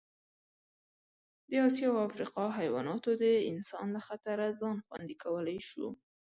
د اسیا او افریقا حیواناتو د انسان له خطره ځان خوندي کولی شو.